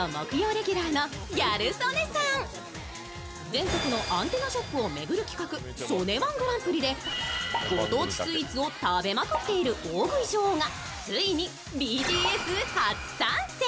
全国のアンテナショップを巡る企画、「曽根−１グランプリ」でご当地スイーツを食べまくっている大食い女王がついにＢＧＳ初参戦。